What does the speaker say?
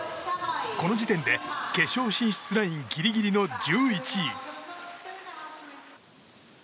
この時点で決勝進出ラインギリギリの１１位。